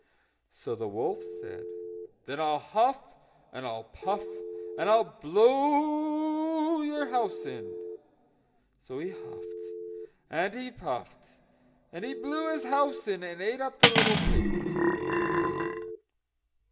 So the wolf said: "Then I'll huff, and I'll puff, and I'll blow your house in." So he huffed, and he puffed, and he blew his house in, and ate up the little pig.